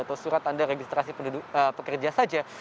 atau surat tanda registrasi pekerja saja